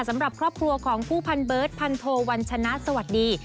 สำหรับครอบครัวของผู้พันเบิร์ตพันโทวัญชนะสวัสดี